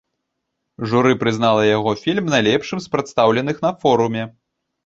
Журы прызнала яго фільм найлепшым з прадстаўленых на форуме.